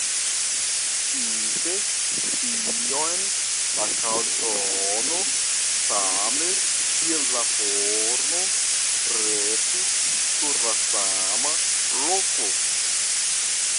Spite tion la kaldrono, same kiel la forno, restis sur la sama loko.